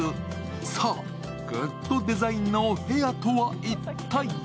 さあグッドデザインのお部屋とは一体？